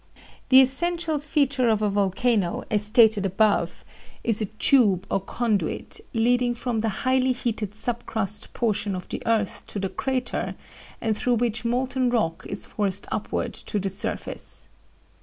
"The essential feature of a volcano, as stated above, is a tube or conduit, leading from the highly heated sub crust portion of the earth to the crater and through which molten rock is forced upward to the surface.